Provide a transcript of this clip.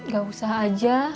gak usah aja